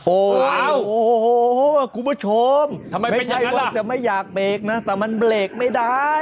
โอ้โหคุณผู้ชมไม่ใช่ว่าจะไม่อยากเบรกนะแต่มันเบรกไม่ได้